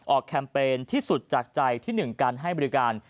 แคมเปญที่สุดจากใจที่๑การให้บริการ